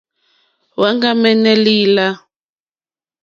Wàŋɡámɛ́nɛ́ lìlâ.